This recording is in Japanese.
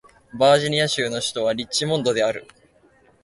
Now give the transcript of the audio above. バージニア州の州都はリッチモンドである